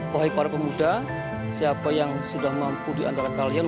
wahai para pemuda siapa yang sudah mampu diantara kalian